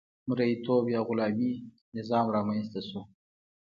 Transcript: مرئیتوب یا غلامي نظام رامنځته شو.